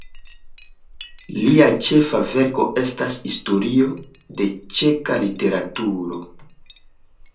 Lia ĉefa verko estas Historio de ĉeĥa literaturo.